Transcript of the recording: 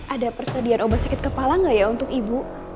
ada persediaan obat sakit kepala nggak ya untuk ibu